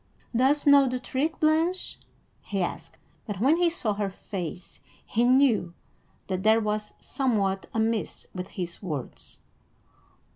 "Dost know the trick, Blanche?" he asked, but when he saw her face, he knew that there was somewhat amiss with his words.